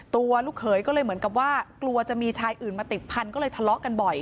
ลูกเขยก็เลยเหมือนกับว่ากลัวจะมีชายอื่นมาติดพันธุ์ก็เลยทะเลาะกันบ่อย